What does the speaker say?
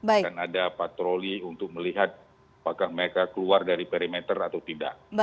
akan ada patroli untuk melihat apakah mereka keluar dari perimeter atau tidak